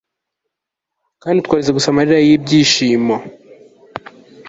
Kandi twarize gusa amarira yibyishimo